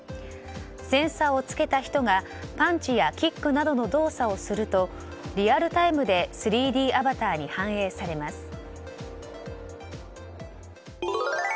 センサーを付けた人がパンチやキックなどの動作をするとリアルタイムで３Ｄアバターに反映されます。